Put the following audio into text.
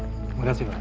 terima kasih pak